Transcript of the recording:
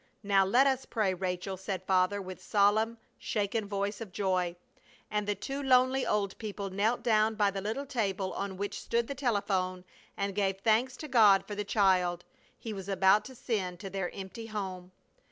"Now let us pray, Rachel!" said Father, with solemn, shaken voice of joy. And the two lonely old people knelt down by the little table on which stood the telephone and gave thanks to God for the child He was about to send to their empty home.